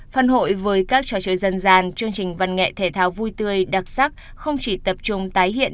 phần hội với các trò chơi dân gian chương trình văn nghệ thể thao vui tươi đặc sắc không chỉ tập trung tái hiện